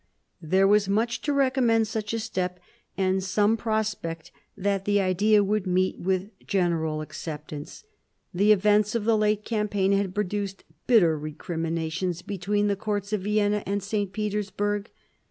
There was « much to recommend such a step, and some prospect that the idea would meet with general acceptance. The events of the late campaign had produced bitter recriminations between the courts of Vienna and St. Petersburg.